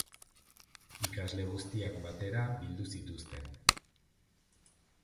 Ikasle guztiak batera bildu zituzten